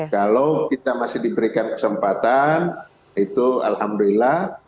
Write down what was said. kalau kita masih diberikan kesempatan itu alhamdulillah